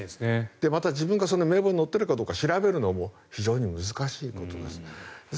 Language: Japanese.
また、自分がその名簿に載ってるかどうか調べるのも非常に難しいことです。